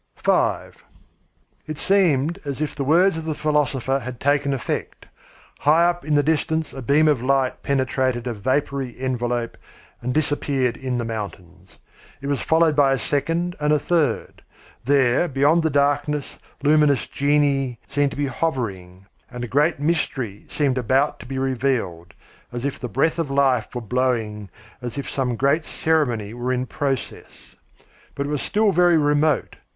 V It seemed as if the words of the philosopher had taken effect. High up in the distance a beam of light penetrated a vapoury envelop and disappeared in the mountains. It was followed by a second and a third. There beyond the darkness luminous genii seemed to be hovering, and a great mystery seemed about to be revealed, as if the breath of life were blowing, as if some great ceremony were in process. But it was still very remote.